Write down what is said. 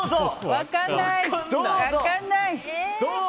分かんない。